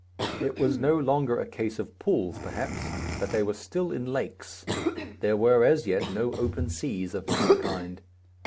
It was no longer a case of pools perhaps, but they were still in lakes. There were as yet no open seas of mankind.